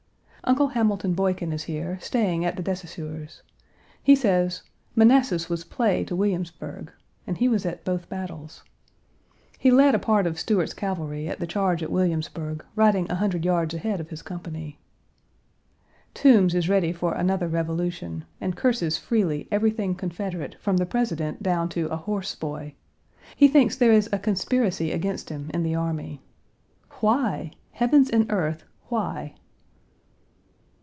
Uncle Hamilton Boykin is here, staying at the de Saussures'. He says, "Manassas was play to Williamsburg," and he was at both battles. He lead a part of Stuart's cavalry in the charge at Williamsburg, riding a hundred yards ahead of his company. Toombs is ready for another revolution, and curses freely everything Confederate from the President down to a horse boy. He thinks there is a conspiracy against him in the army. Why? Heavens and earth why?